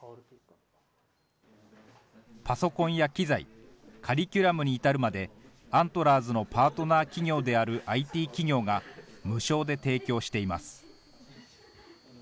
パソコンや機材、カリキュラムに至るまで、アントラーズのパートナー企業であるＩＴ企業が、無償で提供しています。